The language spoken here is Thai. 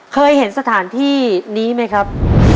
เคยเห็นสถานที่นี้ไหมครับ